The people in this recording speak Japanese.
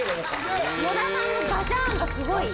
野田さんの「ガシャーン」がすごい。